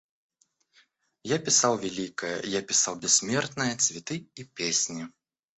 Я писал великое, я писал бессмертное — цветы и песни.